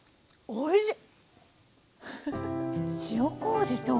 おいしい。